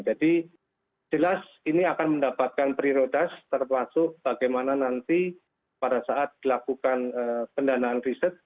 jadi jelas ini akan mendapatkan prioritas termasuk bagaimana nanti pada saat dilakukan pendanaan riset